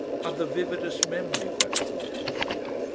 I've the vividest memory of that call of mine.